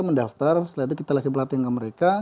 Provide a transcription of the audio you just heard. mendaftar setelah itu kita lagi pelatih ke mereka